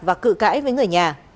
và cự cãi với người nhà